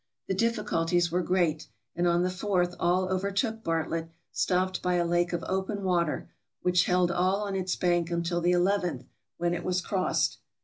The difficulties were great, and on the 4th all overtook Bartlett, stopped by a lake of open water, which held all on its bank until the nth, when it was crossed.